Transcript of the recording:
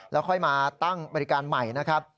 แล้วค่อยมาตั้งบริการใหม่นะครับ